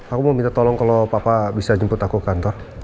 aku mau minta tolong kalau papa bisa jemput aku ke kantor